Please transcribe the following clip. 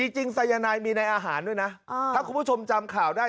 สายนายมีในอาหารด้วยนะถ้าคุณผู้ชมจำข่าวได้